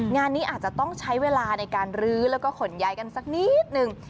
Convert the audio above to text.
งานนี้อาจจะต้องใช้เวลาในการรื้อแล้วก็ขนย้ายกันสักนิดนึง